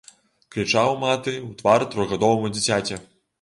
Крычаў маты ў твар трохгадоваму дзіцяці.